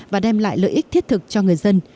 và đem lại lợi ích thiết thực cho người dân